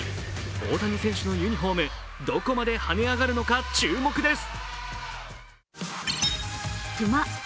大谷選手のユニフォーム、どこまではね上がるか注目です。